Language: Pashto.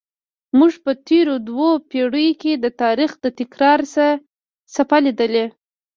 موږ په تېرو دوو پیړیو کې د تاریخ د تکرار څپه لیدلې.